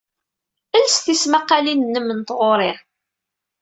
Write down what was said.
Els tismaqqalin-nnem n tɣuri.